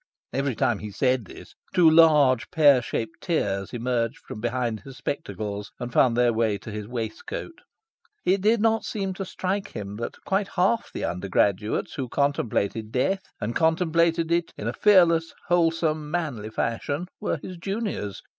Every time he said this, two large, pear shaped tears emerged from behind his spectacles, and found their way to his waistcoat. It did not seem to strike him that quite half of the undergraduates who contemplated death and contemplated it in a fearless, wholesome, manly fashion were his juniors.